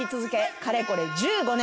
かれこれ１５年。